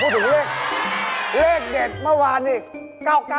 เลขเด็ดเมื่อวานเนี่ย